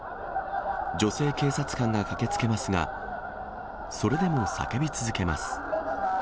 女性警察官が駆けつけますが、それでも叫び続けます。